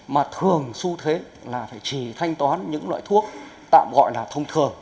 mà thường xu thế là phải chỉ thanh toán những loại thuốc tạm gọi là thông thường